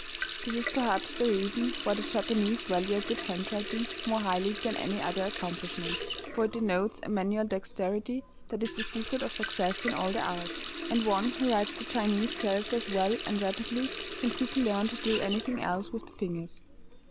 This is perhaps the reason why the Japanese value a good handwriting more highly than any other accomplishment, for it denotes a manual dexterity that is the secret of success in all the arts, and one who writes the Chinese characters well and rapidly can quickly learn to do anything else with the fingers.